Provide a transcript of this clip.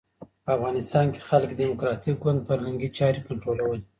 په افغانستان کې خلق ډیموکراټیک ګوند فرهنګي چارې کنټرولولې.